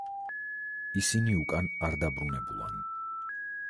ისინი უკან არ დაბრუნებულან.